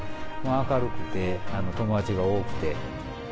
明るくて友達が多くて。